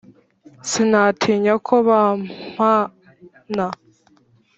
Sinatinya ko bampana